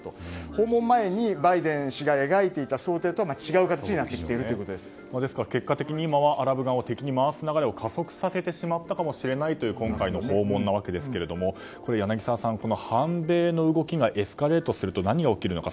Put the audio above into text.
訪問前にバイデン氏が描いていた想定と違う形に結果的に今はアラブ側を敵に回す流れを加速させてしまったかもしれないという今回の訪問ですが柳澤さん、反米の動きがエスカレートすると何が起きるのか。